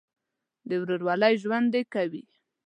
د ورورولۍ ژوند دې کوي.